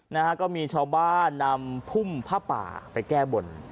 นะฮะก็มีชาวบ้านนำพุ่มผ้าป่าไปแก้บน